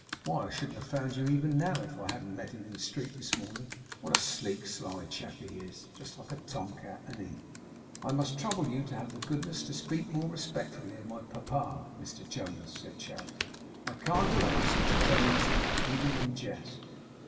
Why, I shouldn't have found you even now, if I hadn't met him in the street this morning. What a sleek, sly chap he is! Just like a tomcat, an't he?' 'I must trouble you to have the goodness to speak more respectfully of my papa, Mr Jonas,' said Charity. 'I can't allow such a tone as that, even in jest.